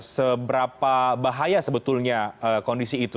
seberapa bahaya sebetulnya kondisi itu